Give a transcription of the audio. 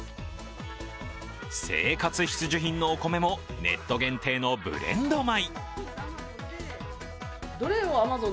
生活必需品のお米もネット限定のブレンド米。